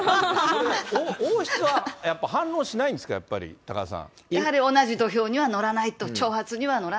王室はやっぱ反応しないんですか、やっぱり、多賀さん。